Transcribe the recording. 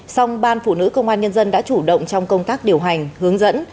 song ban phụ nữ công an nhân dân đã chủ động trong công tác điều hành hướng dẫn